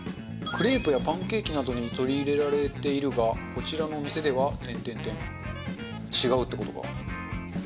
クレープやパンケーキなどに取り入れられているが、こちらのお店では、違うってことか。